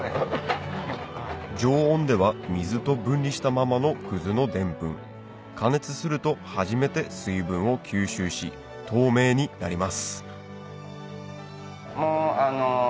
常温では水と分離したままののデンプン加熱すると初めて水分を吸収し透明になります